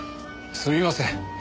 すみません。